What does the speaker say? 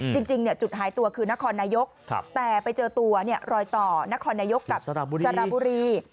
จริงจุดหายตัวคือนครนายกแต่ไปเจอตัวรอยต่อนครนายกกับสระบุรี